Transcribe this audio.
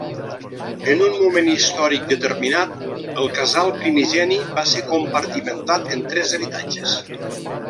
En un moment històric determinat, el casal primigeni va ser compartimentat en tres habitatges.